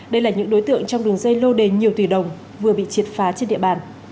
đây là những đối tượng trong đường dây lô đề nhiều tỷ đồng vừa bị triệt phá trên địa bàn